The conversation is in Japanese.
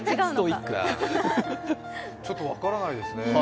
ちょっと分からないですね。